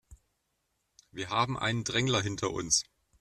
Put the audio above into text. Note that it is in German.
Wir haben einen Drängler hinter uns.